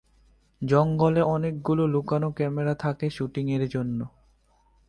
জঙ্গলে অনেকগুলো লুকানো ক্যামেরা থাকে শুটিং এর জন্য।